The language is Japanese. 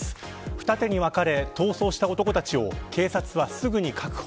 二手に分かれ逃走した男たちを警察はすぐに確保。